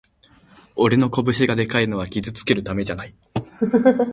俺の拳がでかいのは傷つけるためじゃない